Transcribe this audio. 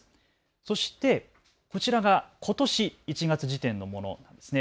そして、こちらがことし１月時点のものなんですね。